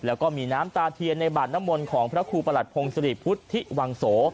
แล้วก็มีน้ำตาเทียนในบาดน้ำมนต์ของพระครูประหลัดพงศิริพุทธิวังโส